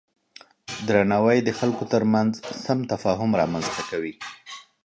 درناوی د خلکو ترمنځ سم تفاهم رامنځته کوي.